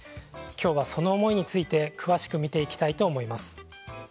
今日は、その思いについて詳しく見ていきたいと思います。